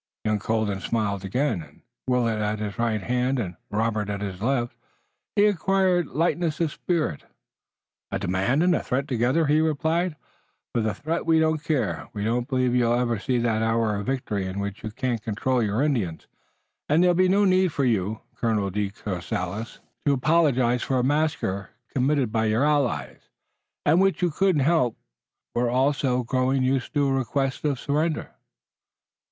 Young Colden smiled again. With Willet at his right hand and Robert at his left, he acquired lightness of spirit. "A demand and a threat together," he replied. "For the threat we don't care. We don't believe you'll ever see that hour of victory in which you can't control your Indians, and there'll be no need for you, Colonel de Courcelles, to apologize for a massacre committed by your allies, and which you couldn't help. We're also growing used to requests of surrender.